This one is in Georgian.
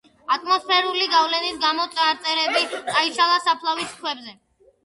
ატმოსფერული გავლენის გამო წარწერები წაიშალა საფლავის ქვებზე.